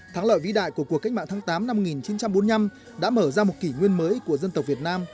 thắng lợi vĩ đại của cuộc cách mạng tháng tám năm một nghìn chín trăm bốn mươi năm đã mở ra một kỷ nguyên mới của dân tộc việt nam